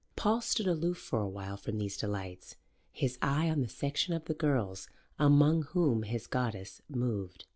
Paul stood aloof for a while from these delights, his eye on the section of the girls among whom his goddess moved.